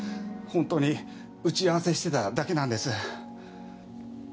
本当に打ち合わせしてただけなんです。